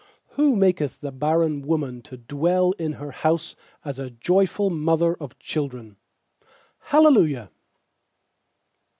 Who maketh the barren woman to dwell in her house As a joyful mother of children. Hallelujah.